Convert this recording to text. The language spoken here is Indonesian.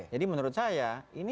jadi menurut saya